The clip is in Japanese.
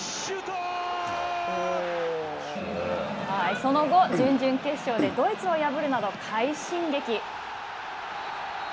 その後、準々決勝でドイツを破るなど、快進撃。